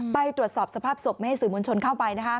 ไปตรวจสอบสภาพศพไม่ให้สื่อมวลชนเข้าไป